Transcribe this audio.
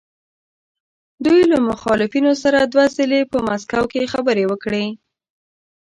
دوی له مخالفینو سره دوه ځله په مسکو کې خبرې وکړې.